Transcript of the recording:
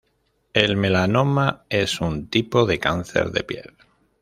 El melanoma es un tipo de cáncer de piel.